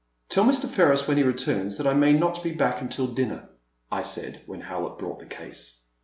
Tell Mr. Ferris, when he returns, that I may not be back until dinner," I said, when Howlett brought the case.